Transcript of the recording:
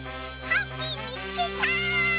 ハッピーみつけた！